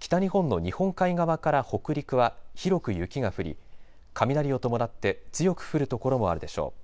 北日本の日本海側から北陸は広く雪が降り雷を伴って強く降る所もあるでしょう。